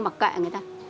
mặc kệ người ta